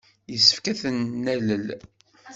Yessefk ad ten-nalel.